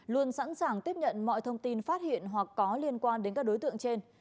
luôn sẵn sàng tiếp nhận mọi thông tin phát hiện hoặc có liên quan đến các đối tượng trên